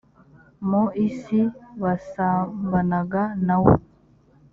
mu isi basambanaga na wo